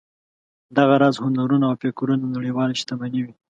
دغه راز هنرونه او فکرونه نړیواله شتمني وي.